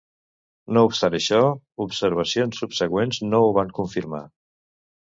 No obstant això, observacions subsegüents no ho van confirmar.